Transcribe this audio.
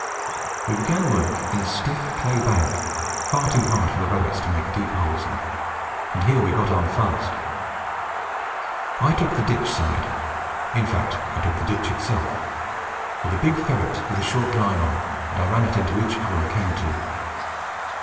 We began work in a stiff clay bank far too hard for the rabbits to make deep holes in, and here we got on fast. I took the ditch side in fact, I took the ditch itself with a big ferret with a short line on, and I ran it into each hole I came to.